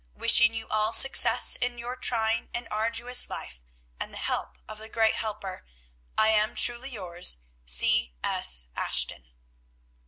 Wishing you all success in your trying and arduous life, and the help of the great Helper, I am, truly yours, C. S. ASHTON.